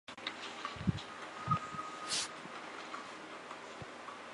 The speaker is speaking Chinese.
户籍人口为公安机关统计的户口登记人数。